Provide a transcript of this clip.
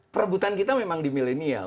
perebutan kita memang di milenial